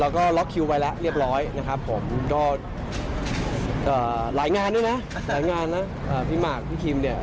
แล้วก็ล็อกคิวไว้แล้วเรียบร้อยนะครับผมก็หลายงานด้วยนะหลายงานนะพี่หมากพี่คิมเนี่ย